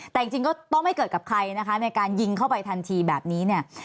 แต่จริงก็ต้องไม่เกิดกับใครนะคะในการยิงเข้าไปทันทีแบบนี้เนี่ย